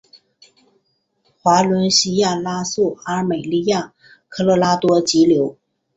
华伦西亚拉素阿美利加科罗拉多急流